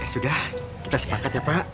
sudah kita sepakat ya pak